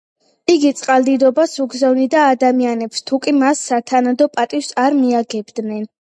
იგი წყალდიდობას უგზავნიდა ადამიანებს, თუკი მას სათანადო პატივს არ მიაგებდნენ.